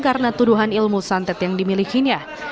karena tuduhan ilmu santet yang dimilikinya